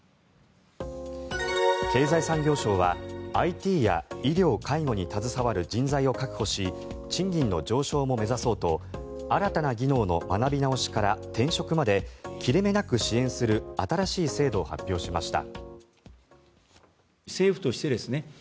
経済産業省はＩＴや医療介護に携わる人材を確保し賃金の上昇も目指そうと新たな技能の学び直しから転職まで切れ目なく支援する新しい制度を発表しました。